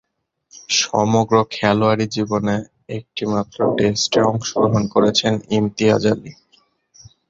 সমগ্র খেলোয়াড়ী জীবনে একটিমাত্র টেস্টে অংশগ্রহণ করেছেন ইমতিয়াজ আলী।